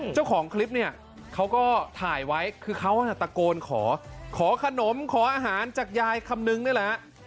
เจ้าของคลิปเนี่ยเขาก็ถ่ายไว้คือเขาตะโกนขอขอขนมขออาหารจากยายคำนึงนี่แหละ